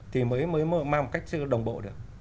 thì mới mang một cách đồng bộ được